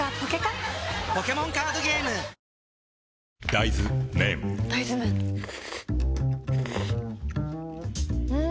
大豆麺ん？